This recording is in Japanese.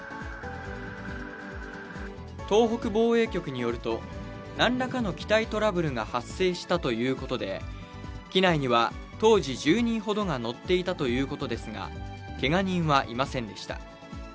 東北防衛局によると、なんらかの機体トラブルが発生したということで、機内には当時１０人ほどが乗っていたということですが、けが人はいませんでした。